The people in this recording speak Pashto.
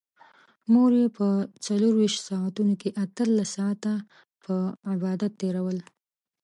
مور يې په څلرويشت ساعتونو کې اتلس ساعته په عبادت تېرول.